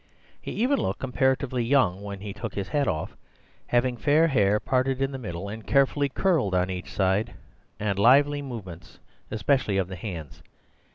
He even looked comparatively young when he took his hat off, having fair hair parted in the middle and carefully curled on each side, and lively movements, especially of the hands.